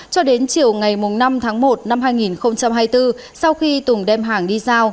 cho đến chiều ngày năm tháng một năm hai nghìn hai mươi bốn sau khi tùng đem hàng đi giao